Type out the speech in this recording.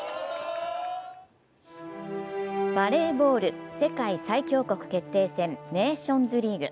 バレーボール世界最強国決定戦ネーションズリーグ。